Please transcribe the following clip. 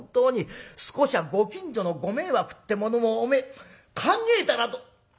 少しはご近所のご迷惑ってものをお前考えたらどう。